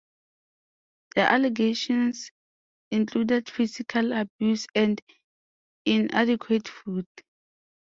The allegations included physical abuse and inadequate food.